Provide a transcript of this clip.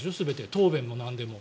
答弁もなんでも。